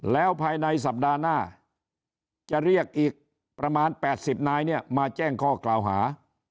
แล้วภายในสัปดาห์หน้าจะเรียกอีกประมาณ๘๐นายเนี่ยมาแจ้งข้อกล่าวหา